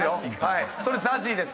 それＺＡＺＹです。